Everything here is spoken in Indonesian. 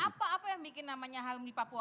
apa apa yang bikin namanya helm di papua